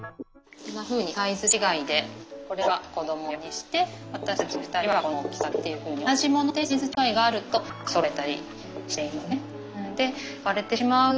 こんなふうにサイズ違いでこれは子ども用にして私たち２人はこの大きさでっていうふうに同じものでサイズ違いがあるとそろえたりしていますね。